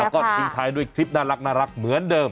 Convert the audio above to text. ก็สินค้าด้วยคลิปนารักเหมือนเดิม